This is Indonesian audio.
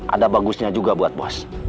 ada bagusnya juga buat bos